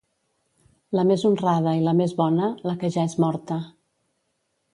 La més honrada i la més bona, la que ja és morta.